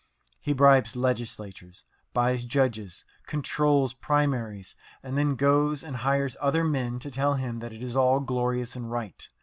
He bribes legislatures, buys judges, "controls" primaries, and then goes and hires other men to tell him that it is all glorious and right.